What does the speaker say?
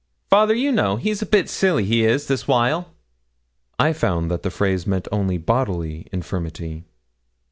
Father, you know, he's a bit silly, he is, this while.' I found that the phrase meant only bodily infirmity.